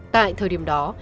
tại thời điểm đó